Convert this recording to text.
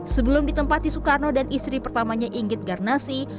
sebelum ditempati soekarno dan istri pertamanya inggit garnasi